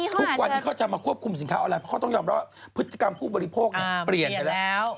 ทุกวันนี้เขาจะมาควบคุมสินค้าอะไรเพราะเขาต้องยอมรับพฤติกรรมผู้บริโภคเปลี่ยนไปแล้ว